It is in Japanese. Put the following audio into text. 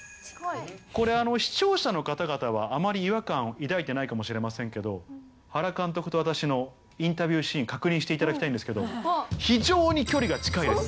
これ、視聴者の方々は、あまり違和感抱いていないかもしれないですけど、原監督と私のインタビューシーン、確認していただきたいんですけど、非常に距離が近いです。